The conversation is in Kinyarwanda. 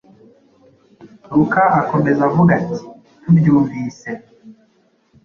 Luka akomeza avuga ati: “Tubyumvise,